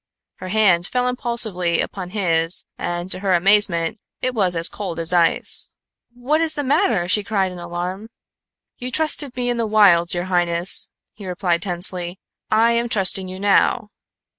Her hand fell impulsively upon his and, to her amazement, it was as cold as ice. "What is the matter?" she cried in alarm. "You trusted me in the wilds, your highness," he said tensely; "I am trusting you now."